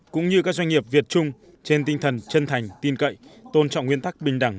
cũng như các doanh nghiệp việt trung trên tinh thần chân thành tin cậy tôn trọng nguyên tắc bình đẳng